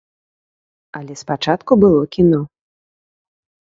Але спачатку было кіно.